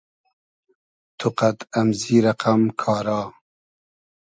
تو قئد امزی رئقئم کارا